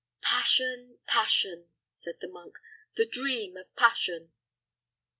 "Passion, passion," said the monk "the dream of passion!"